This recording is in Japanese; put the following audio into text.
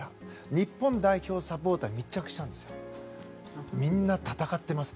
日本代表サポーターに密着したんです。